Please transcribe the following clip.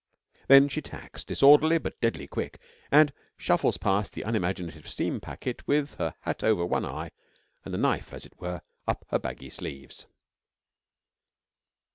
Then she tacks, disorderly but deadly quick, and shuffles past the unimaginative steam packet with her hat over one eye and a knife, as it were, up her baggy sleeves.